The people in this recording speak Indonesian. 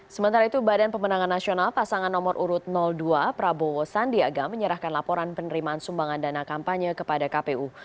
sementara itu badan pemenangan nasional pasangan nomor urut dua prabowo sandiaga menyerahkan laporan penerimaan sumbangan dana kampanye kepada kpu